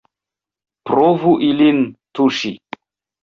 Provu ilin tuŝi!